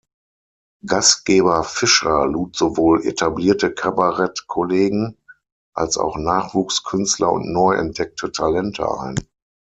Gastgeber Fischer lud sowohl etablierte Kabarett-Kollegen als auch Nachwuchskünstler und neu entdeckte Talente ein.